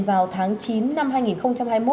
vào tháng chín năm hai nghìn hai mươi một